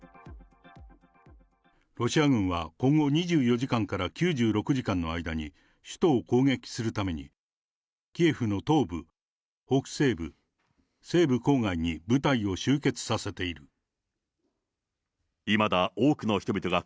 ロシア軍は今後２４時間から９６時間の間に首都を攻撃するために、キエフの東部、北西部、西部郊外に部隊を集結させている。